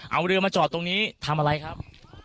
เอาเรือมาจอดตรงนี้ทำอะไรครับ